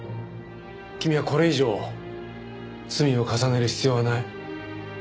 君はこれ以上罪を重ねる必要はない。